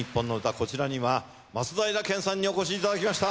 こちらには松平健さんにお越しいただきました。